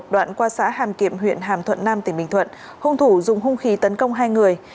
đoạn qua xã hàm kiệm huyện hàm thuận nam tỉnh bình thuận hung thủ dùng hung khí tấn công hai người